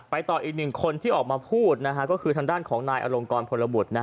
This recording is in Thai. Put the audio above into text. ต่ออีกหนึ่งคนที่ออกมาพูดก็คือทางด้านของนายอลงกรพลบุตร